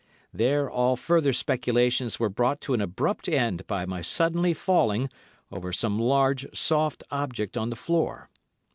There all further speculations were brought to an abrupt end by my suddenly falling over some large, soft object on the floor.